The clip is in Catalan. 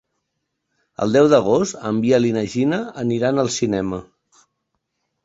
El deu d'agost en Biel i na Gina aniran al cinema.